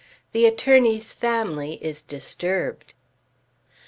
THE ATTORNEY'S FAMILY IS DISTURBED.